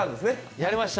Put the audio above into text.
やれました！